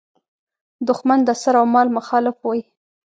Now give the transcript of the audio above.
دوښمن د سر او مال مخالف وي.